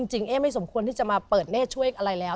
เอ๊ไม่สมควรที่จะมาเปิดเนธช่วยอะไรแล้ว